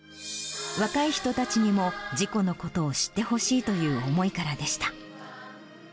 若い人たちにも事故のことを知ってほしいという思いからでした。